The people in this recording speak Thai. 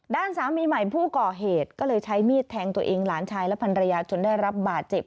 ด้านสามีใหม่ผู้ก่อเหตุก็เลยใช้มีดแทงตัวเองหลานชายและพันรยาจนได้รับบาดเจ็บ